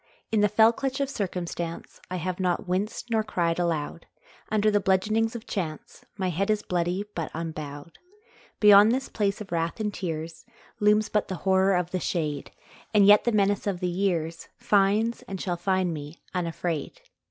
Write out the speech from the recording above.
In the fell clutch of circumstance I have not winced nor cried aloud, Under the bludgeonings of chance My head is bloody, but unbowed. Beyond this place of wrath and tears Looms but the horror of the shade, And yet the menace of the years Finds, and shall find me, unafraid.